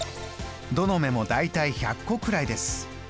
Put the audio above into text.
どの目も大体１００個くらいです。